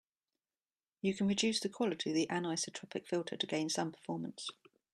You can reduce the quality of the anisotropic filter to gain some performance.